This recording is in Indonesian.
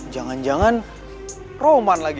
jangan jangan roman lagi